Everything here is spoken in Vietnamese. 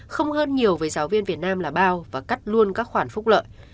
không hơn nhiều với giáo viên việt nam là bao và cắt luôn các khoản phúc lợi